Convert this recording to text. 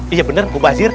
iya bener gue bahasir